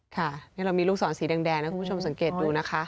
ค่ะนี่เรามีลูกศรสีแดงนะคุณผู้ชมสังเกตดูนะคะ